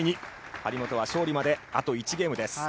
張本は勝利まであと１ゲームです。